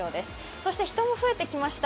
そして人も増えてきました。